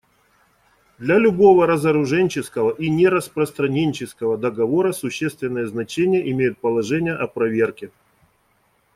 Для любого разоруженческого и нераспространенческого договора существенное значение имеют положения о проверке.